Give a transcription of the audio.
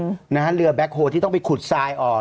แล้วก็ต้องมีเรือแบคโฮทที่ต้องไปขุดทรายออก